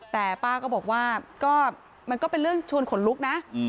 แต่ป้าก็บอกว่าก็มันก็เป็นเรื่องชวนขนลุกนะ